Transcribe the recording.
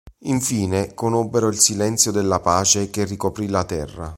Infine conobbero il silenzio della pace che ricoprì la terra.